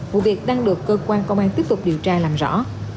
vụ việc đang được cơ quan công an tiếp tục điều tra làm rõ